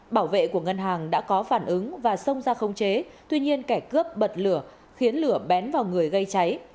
bảo vệ của ngân hàng đã có phản ứng và xông ra không chế tuy nhiên kẻ cướp bật lửa khiến lửa bén vào người gây cháy